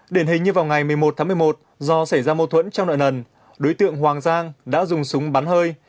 điển hình như vào ngày một mươi một tháng một mươi một do xảy ra mâu thuẫn trong nợ nần đối tượng hoàng giang đã dùng súng bắn hơi